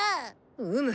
うむ。